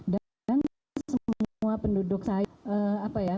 dan semua penduduk saya